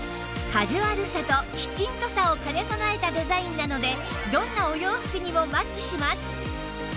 カジュアルさとキチンとさを兼ね備えたデザインなのでどんなお洋服にもマッチします